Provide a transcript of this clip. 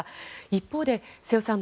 一方で、瀬尾さん